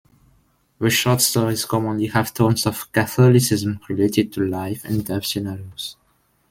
The short stories commonly have tones of Catholicism related to life and death scenarios.